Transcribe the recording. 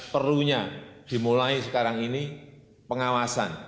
perlunya dimulai sekarang ini pengawasan